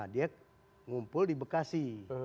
dia ngumpul di bekasi